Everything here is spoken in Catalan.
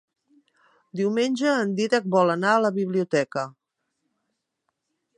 Diumenge en Dídac vol anar a la biblioteca.